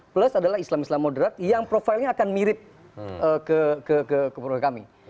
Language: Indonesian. plus adalah islam islam moderat yang profilnya akan mirip ke profesi kami